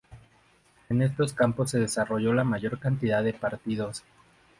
En estos campos se desarrolló la mayor cantidad de partidos.